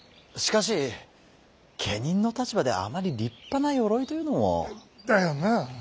しかし家人の立場であまり立派な鎧というのも。だよなあ。